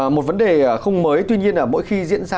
một vấn đề không mới tuy nhiên là mỗi khi diễn ra